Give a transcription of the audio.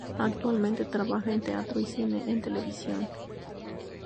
Actualmente trabaja en teatro, cine y televisión.